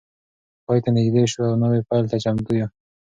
پای ته نږدې شو او نوی پیل ته چمتو یو.